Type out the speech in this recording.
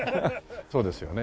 そうですよね。